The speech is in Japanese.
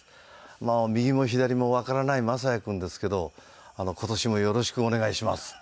「右も左もわからない雅也君ですけど今年もよろしくお願いします」。